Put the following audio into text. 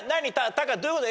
タカどういうこと？